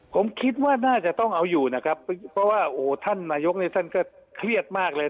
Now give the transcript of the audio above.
ผมคิดว่าน่าจะต้องเอาอยู่นะครับเพราะว่าโอ้โหท่านนายกนี่ท่านก็เครียดมากเลย